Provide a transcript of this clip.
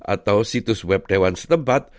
atau situs web dewan setempat